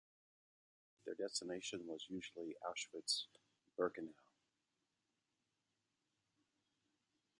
Their destination was usually Auschwitz-Birkenau.